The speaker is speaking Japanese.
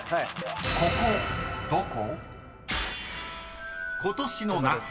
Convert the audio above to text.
［ここどこ？］